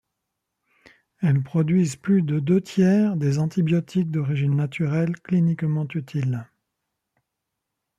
Elles produisent plus de deux tiers des antibiotiques d'origine naturelle cliniquement utiles.